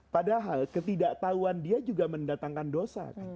padahal ketidaktahuan dia juga mendatangkan dosa